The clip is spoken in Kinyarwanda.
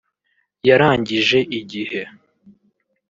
yarangije igihe